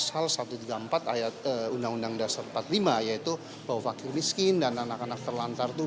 pasal satu ratus tiga puluh empat ayat undang undang dasar empat puluh lima yaitu bahwa fakir miskin dan anak anak terlantar itu